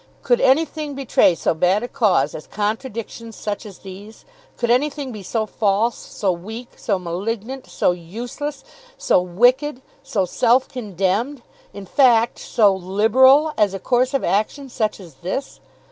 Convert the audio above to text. Could anything betray so bad a cause as contradictions such as these? Could anything be so false, so weak, so malignant, so useless, so wicked, so self condemned, in fact, so "Liberal" as a course of action such as this?